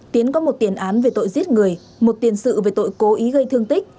tiến có một tiền án về tội giết người một tiền sự về tội cố ý gây thương tích